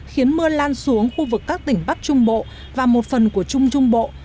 khiến mưa lan xuống khu vực các tỉnh bắc trung bộ và một phần của trung trung bộ